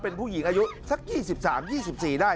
เป็นผู้หญิงอายุสัก๒๓๒๔ได้